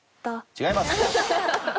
違います。